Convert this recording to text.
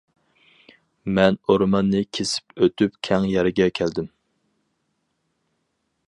مەن ئورماننى كېسىپ ئۆتۈپ كەڭ يەرگە كەلدىم.